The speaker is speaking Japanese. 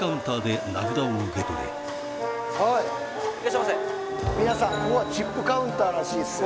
はいいらっしゃいませ皆さんここはチップカウンターらしいですよ